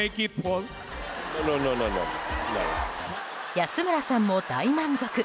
安村さんも大満足。